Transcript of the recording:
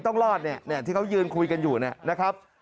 ต้องรอดเนี่ยที่เขายืนคุยกันอยู่เนี่ยนะครับ